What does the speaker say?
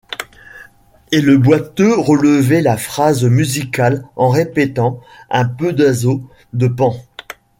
Et le boiteux relevait la phrase musicale en répétant: — Un pedaso de pan!